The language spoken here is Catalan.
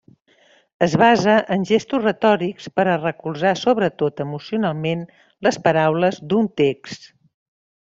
Es basa en gestos retòrics per a recolzar sobretot emocionalment les paraules d'un text.